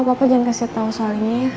papa jangan kasih tau soalnya ya